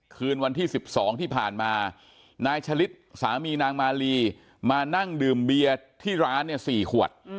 คืนวันที่๑๒ที่ผ่านมานายฉลิดสามีนางมาลีมานั่งดื่มเบียร์ที่ร้านเนี่ย๔ขวด